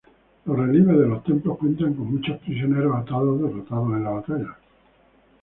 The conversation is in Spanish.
Los relieves de los templos cuentan con muchos prisioneros atados derrotados en la batalla.